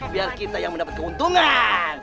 biar kita yang mendapat keuntungan